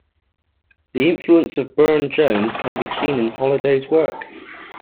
The influence of Burne-Jones can be seen in Holiday's work.